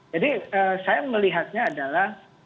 jadi saya melihatnya adalah